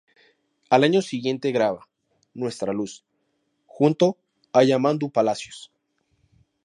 Al año siguiente graba ""Nuestra luz"" junto a Yamandú Palacios.